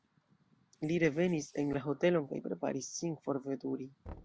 Li revenis en la hotelon kaj preparis sin forveturi.